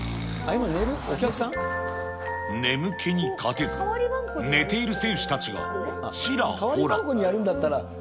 眠気に勝てず、寝ている選手たちがちらほら。